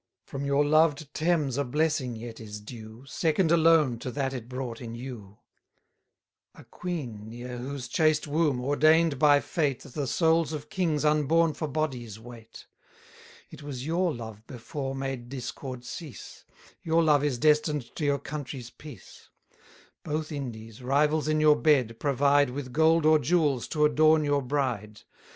From your loved Thames a blessing yet is due, Second alone to that it brought in you; A queen, near whose chaste womb, ordain'd by fate, The souls of kings unborn for bodies wait. 120 It was your love before made discord cease: Your love is destined to your country's peace. Both Indies, rivals in your bed, provide With gold or jewels to adorn your bride.